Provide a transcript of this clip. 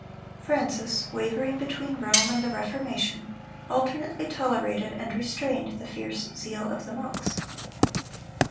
Francis, wavering between Rome and the Reformation, alternately tolerated and restrained the fierce zeal of the monks.